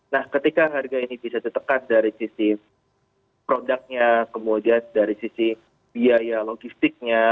nah ketika harga ini bisa ditekan dari sisi produknya kemudian dari sisi biaya logistiknya